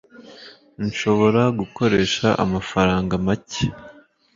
nshobora gukoresha amafaranga make